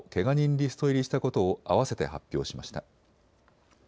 リスト入りしたことを合わせて発表しました。